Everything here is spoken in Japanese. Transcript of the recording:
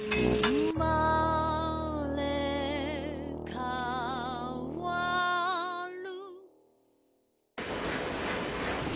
「うまれかわる」